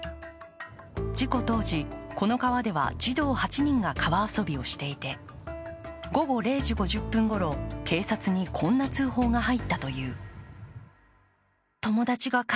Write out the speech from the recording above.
事故当時、この川では児童８人が川遊びをしていて午後０時５０分ごろ、警察にこんな通報が入ったという。